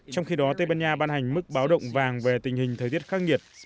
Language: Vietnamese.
trong khi đó tây ban nha ban hành mức báo động vàng về tình hình thời tiết khắc nghiệt